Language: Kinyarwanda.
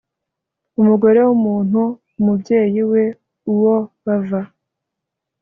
Umugore w umuntu umubyeyi we uwo bava